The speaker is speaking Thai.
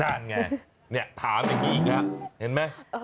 นั่นไงเนี่ยถามอย่างนี้อีกฮะเห็นไหม